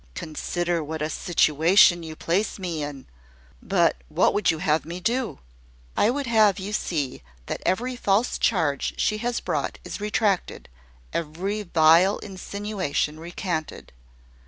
"Consider what a situation you place me in! But what would you have me do?" "I would have you see that every false charge she has brought is retracted every vile insinuation recanted.